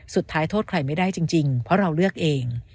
โทษใครไม่ได้จริงเพราะเราเลือกเอง